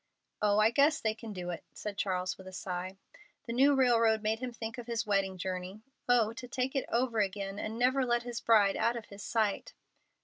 "Oh, I guess they can do it," said Charles, with a sigh. The new railroad made him think of his wedding journey. Oh, to take it over again and never let his bride out of his sight!